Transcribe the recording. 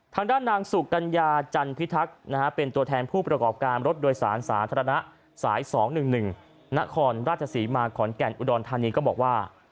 ทางด้านนางสุกัญญาจันพิทักษ์เป็นตัวแทนผู้ประกอบการรถโดยสารสาธารณะสาย๒๑๑นครราชศรีมาขอนแก่นอุดรธานีก็บอกว่า